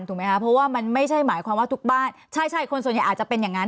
ไหมคะเพราะว่ามันไม่ใช่หมายความว่าทุกบ้านใช่ใช่คนส่วนใหญ่อาจจะเป็นอย่างนั้น